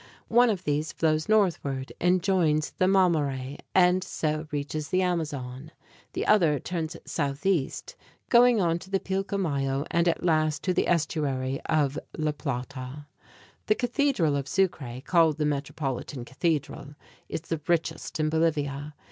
One of these flows northward and joins the Mamoré (mah mo ray´) and so reaches the Amazon. The other turns southeast, going on to the Pilcomayo (peel ko my´ o) and at last to the estuary of La Plata (lah plah´ tah). The Cathedral of Sucre, called the Metropolitan Cathedral, is the richest in Bolivia.